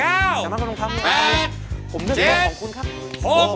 ยายาอย่างไรครับ